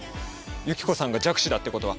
ユキコさんが弱視だってことは。